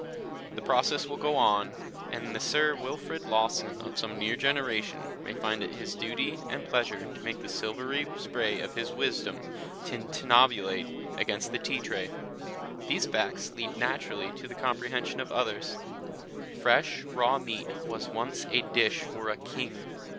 The process will go on, and the Sir Wilfrid Lawson of some near generation may find it his duty and pleasure to make the silvery spray of his wisdom tintinnabulate against the tea tray. These facts lead naturally to the comprehension of others. Fresh raw meat was once a dish for a king.